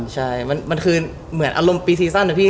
ใช่มันคือเหมือนอารมณ์ปีซีสัน